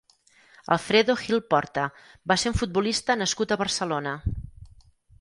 Alfredo Gil Porta va ser un futbolista nascut a Barcelona.